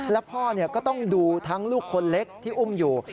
แล้วพ่อก็ต้องดูทั้งลูกคนเล็กที่อุ้มอยู่